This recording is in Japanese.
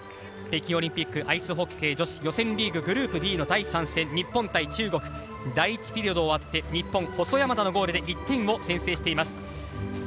北京オリンピックアイスホッケー女子予選リーググループＢの第３戦日本対中国第１ピリオド終わって、日本細山田のゴールで１点を先制しています。